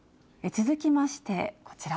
続きましてこちら。